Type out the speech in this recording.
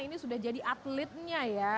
ini sudah jadi atletnya ya